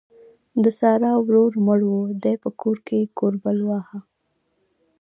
د سارا ورور مړ وو؛ دې په کور کې کوربل واهه.